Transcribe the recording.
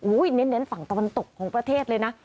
เน้นฝั่งตะวันตกของประเทศเลยนะ